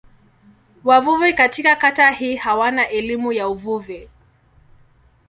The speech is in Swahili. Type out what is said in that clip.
Wavuvi katika kata hii hawana elimu ya uvuvi.